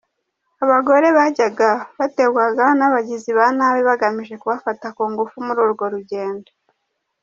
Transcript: Abagore bajyaga bategwaga n’abagizi ba nabi bagamije kubafata ku ngufu muri urwo rugendo.